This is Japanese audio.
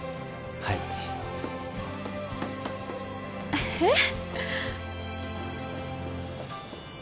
はいえっ？